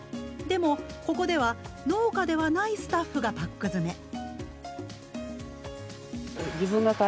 でもここでは農家ではないスタッフがパック詰め。